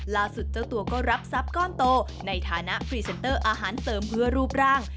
เจ้าตัวก็รับทรัพย์ก้อนโตในฐานะพรีเซนเตอร์อาหารเสริมเพื่อรูปร่าง